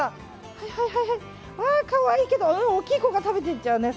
可愛いけど大きい子が食べていっちゃうね。